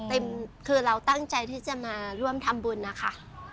คือเราตั้งใจที่จะมาร่วมทำบุญนะคะ